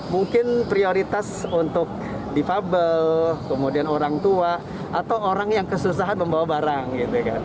mungkin prioritas untuk difabel kemudian orang tua atau orang yang kesusahan membawa barang gitu kan